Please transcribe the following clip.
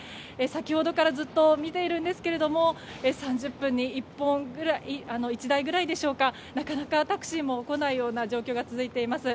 先ほどからずっと見ているんですが３０分に１台ぐらいでしょうかなかなかタクシーも来ないような状況が続いています。